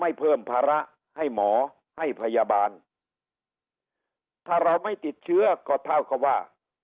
ไม่เพิ่มภาระให้หมอให้พยาบาลถ้าเราไม่ติดเชื้อก็เท่ากับว่า